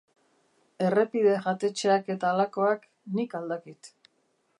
Errepide jatetxeak eta halakoak, nik al dakit.